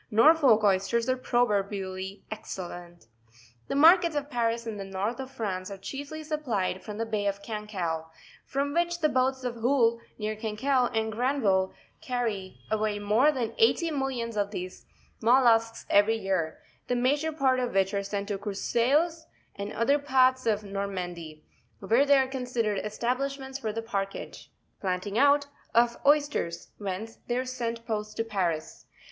Norfolk oysters are pro . verbially excellent. The markets of Paris and the north of France are chiefly supplied from the bay of Cancale; from which the boats of Houlle, near Cancale, and Granville, carry away more than eighty millions of these mollusks every year, the major part of which are sent to Courseulles and other parts of Normandy, where there are considerable establishments for the parkage (planting out) of oysters, whence they are sent post to Paris.